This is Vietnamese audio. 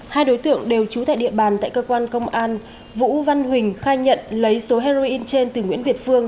hai đối tượng đều trú tại địa bàn tại cơ quan công an vũ văn huỳnh khai nhận lấy số heroin trên từ nguyễn việt phương